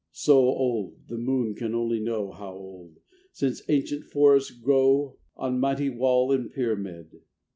So old, the moon can only know How old, since ancient forests grow On mighty wall and pyramid.